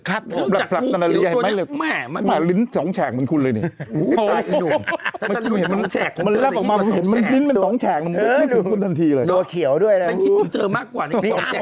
ครับหลังจากงูเขียวตัวนี้แม่ลิ้น๒แฉกเหมือนคุณเลยโอ้โฮถ้าชั้นเห็นมันดูต้นแฉกกว่าหนึ่งกว่า๒แฉก